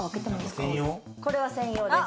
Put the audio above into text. これは専用です。